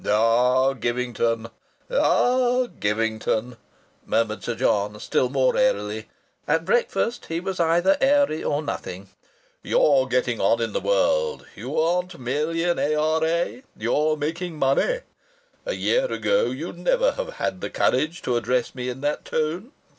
"Ah! Givington! Ah! Givington!" murmured Sir John still more airily at breakfast he was either airy or nothing. "You're getting on in the world. You aren't merely an A.R.A.; you're making money! A year ago you'd never have had the courage to address me in that tone.